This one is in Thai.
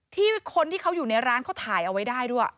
ที่คนที่เขาอยู่ในร้านเขาถ่ายเอาไว้ได้ด้วย